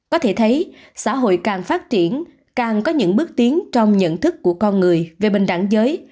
có thể thấy xã hội càng phát triển càng có những bước tiến trong nhận thức của con người về bình đẳng giới